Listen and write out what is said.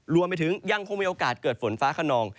รวมไปถึงยังคงมีโอกาสเกิดฝนฟ้าขนอง